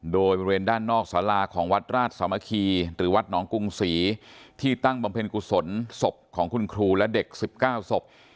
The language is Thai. โดยบริเวณด้านนอกสาราของวัดราชสามัคคีหรือวัดหนองกรุงศรีที่ตั้งบำเพ็ญกุศลศพของคุณครูและเด็ก๑๙ศพ